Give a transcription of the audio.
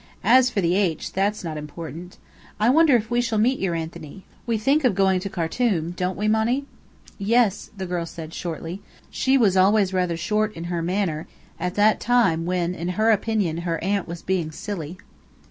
As for the 'H', that's not important. I wonder if we shall meet your Anthony? We think of going to Khartum, don't we, Monny?" "Yes," said the girl, shortly. She was always rather short in her manner at that time when in her opinion her aunt was being "silly."